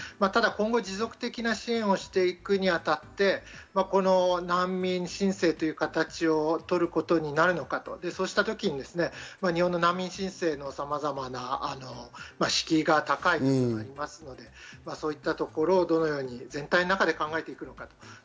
ただ持続的な支援をしていくに当たって、この難民申請という形をとることになるのか、そうしたときに日本の難民申請のさまざまな敷居が高い部分がありますので、そういったところをどのように全体の中で考えていくのか。